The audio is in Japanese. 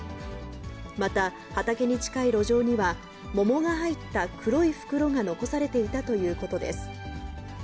また、畑に近い路上には、桃が入った黒い袋が残されていたということです。